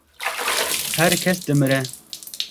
Her kes dimire.